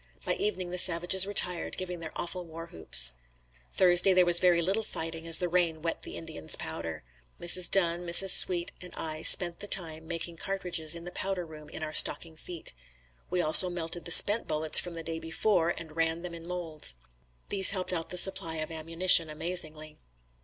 By evening the savages retired, giving their awful war whoops. Thursday there was very little fighting as the rain wet the Indians' powder. Mrs. Dunn, Mrs. Sweatt and I spent the time making cartridges in the powder room in our stocking feet. We also melted the spent bullets from the day before and ran them in molds. These helped out the supply of ammunition amazingly.